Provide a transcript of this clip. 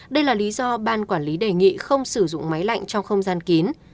đây là lý do ban quản lý đề nghị không sử dụng máy lạnh trong không gian kín